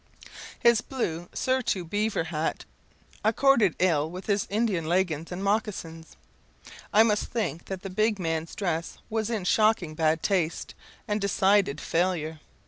His blue surtout beaver hat accorded ill with his Indian leggings and moccassins. I must think that the big man's dress was in shocking bad taste, and decided failure.